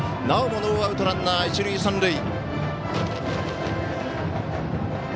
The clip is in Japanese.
なおもノーアウトランナー、一塁三塁。